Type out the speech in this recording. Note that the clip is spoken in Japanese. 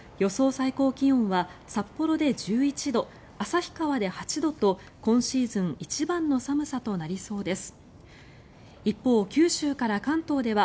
最高気温は札幌で１１度旭川で８度と今シーズン一番の寒さとなりそうです。